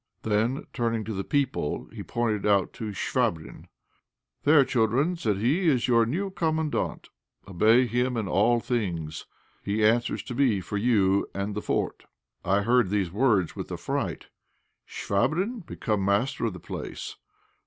Then turning to the people, he pointed out Chvabrine. "There, children," said he, "is your new Commandant; obey him in all things; he answers to me for you and the fort." I heard these words with affright. Chvabrine become master of the place!